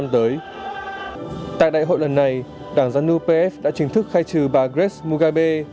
tại đại hội lần này đảng janu pf đã chính thức khai trừ bà grace mugabe